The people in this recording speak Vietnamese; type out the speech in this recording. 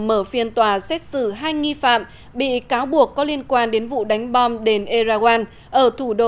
mở phiên tòa xét xử hai nghi phạm bị cáo buộc có liên quan đến vụ đánh bom đền erraguan ở thủ đô